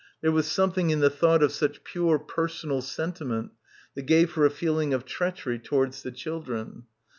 There was something in the thought of such pure per sonal sentiment that gave her a feeling of treach ery towards the children.